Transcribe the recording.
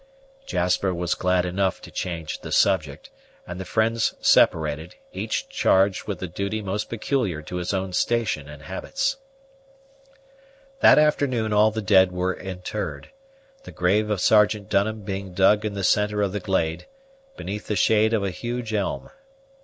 Jasper was glad enough to change the subject, and the friends separated, each charged with the duty most peculiar to his own station and habits. That afternoon all the dead were interred, the grave of Sergeant Dunham being dug in the centre of the glade, beneath the shade of a huge elm.